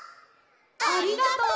ありがとう！